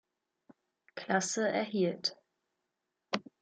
Klasse erhielt.